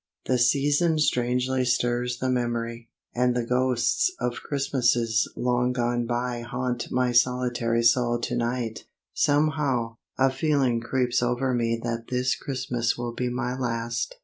The season strangely stirs the memory, and the ghosts of Christmases long gone by haunt my solitary soul to night. Somehow, a feeling creeps over me that this Christmas will be my last.